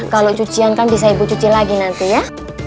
kalau cucian kan bisa ibu cuci lagi nanti ya